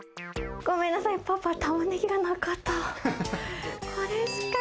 でも、ごめんなさい、パパ、タマネギがなかった。